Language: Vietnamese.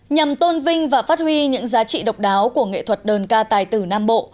nhằm tôn vinh và phát huy những giá trị độc đáo của nghệ thuật đờn ca tài tử nam bộ